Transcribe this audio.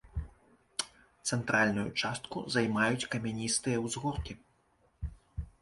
Цэнтральную частку займаюць камяністыя ўзгоркі.